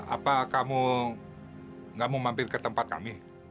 apa kamu gak mau mampir ke tempat kami